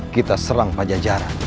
kita serang pajajara